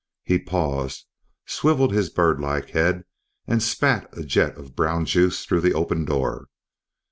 He paused, swiveled his bird like head and spat a jet of brown juice through the open door.